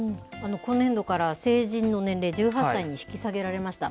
今年度から成人の年齢、１８歳に引き下げられました。